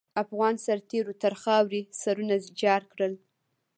افغان سرتېرو تر خاروې سرونه جار کړل.